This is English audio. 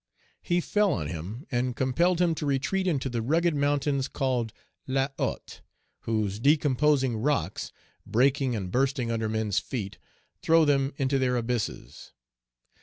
He fell on him and compelled him to retreat into the rugged mountains called La Hotte, whose decomposing rocks, breaking and bursting under men's feet, throw them into their abysses.